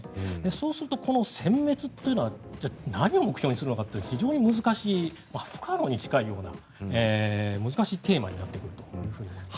そうすると、せん滅というのは何を目標にするのかという非常に難しい不可能に近いような難しいテーマになってくると思います。